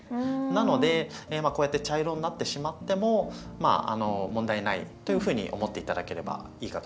なのでこうやって茶色になってしまってもまあ問題ないというふうに思って頂ければいいかと思います。